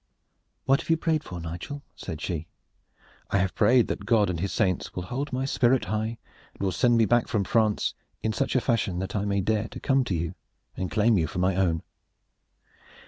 "What have you prayed for, Nigel?" said she. "I have prayed that God and His saints will hold my spirit high and will send me back from France in such a fashion that I may dare to come to you and to claim you for my own."